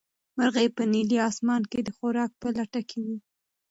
مرغۍ په نیلي اسمان کې د خوراک په لټه کې وه.